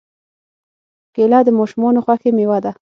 کېله د ماشومانو خوښې مېوه ده.